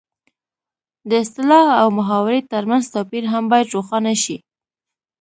د اصطلاح او محاورې ترمنځ توپیر هم باید روښانه شي